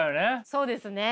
そうですね。